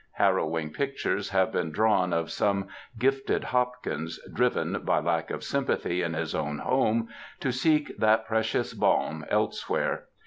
Harrowing pictures have been drawn of some " Gifted Hopkins " driven, by lack of sjrmpathy in his own home, to seek that precious balm elsewhere.